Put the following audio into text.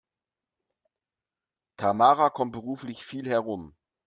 Tamara kommt beruflich viel herum.